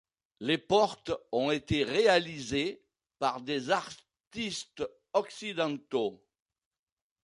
Les portes ont été réalisées par des artistes occidentaux.